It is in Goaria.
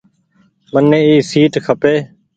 مني اي سيٽ کپي۔